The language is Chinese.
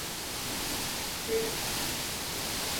同时是没有转辙器的棒线车站。